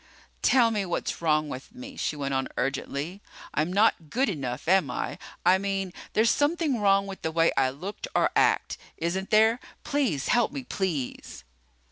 "Tell me what's wrong with me," she went on urgently. "I'm not good enough, am I? I mean, there's something wrong with the way I look or act. Isn't there? Please help me, please!"